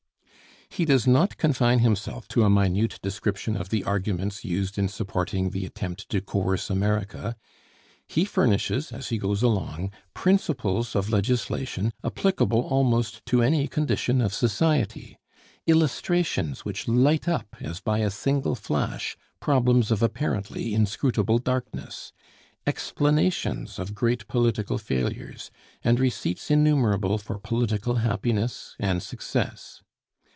He does not confine himself to a minute description of the arguments used in supporting the attempt to coerce America; he furnishes as he goes along principles of legislation applicable almost to any condition of society; illustrations which light up as by a single flash problems of apparently inscrutable darkness; explanations of great political failures; and receipts innumerable for political happiness and success.